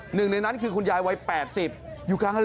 หนึ่งในนั้นคือคุณยายวัย๘๐